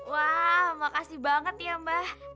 wah makasih banget ya mbak